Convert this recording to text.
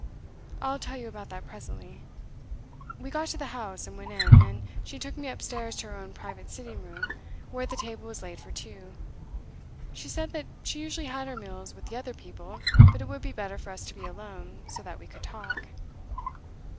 'I'll tell you about that presently. We got to the house, and went in, and she took me upstairs to her own private sitting room, where the table was laid for two. She said that she usually had her meals with the other people, but it would be better for us to be alone, so that we could talk.